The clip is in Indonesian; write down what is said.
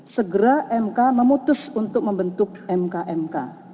segera mk memutus untuk membentuk mk mk